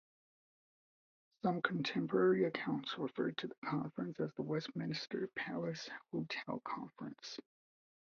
Some contemporary accounts referred to the conference as the Westminster Palace Hotel Conference.